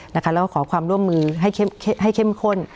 แล้วก็ขอความร่วมมือให้เข้มข้น